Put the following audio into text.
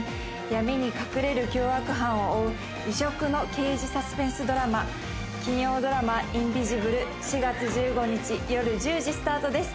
闇に隠れる凶悪犯を追う異色の刑事サスペンスドラマ金曜ドラマ「インビジブル」４月１５日よる１０時スタートです